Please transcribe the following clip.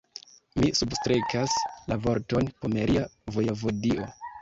Mi substrekas la vorton "pomeria vojevodio".